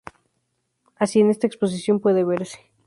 Así en esta exposición pueden verse